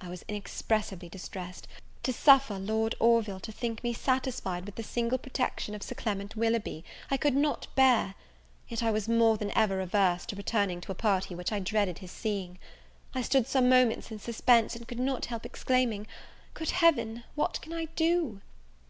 I was inexpressibly distressed; to suffer Lord Orville to think me satisfied with the single protection of Sir Clement Willoughby, I could not bear; yet I was more than ever averse to returning to a party which I dreaded his seeing. I stood some moments in suspense, and could not help exclaiming, "Good Heaven, what can I do!"